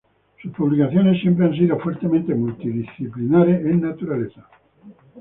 Sus publicaciones siempre han sido fuertemente multidisciplinares en naturaleza.